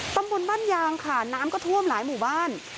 ตำบลบ้านยางค่ะน้ำก็ท่วมหลายหมู่บ้าน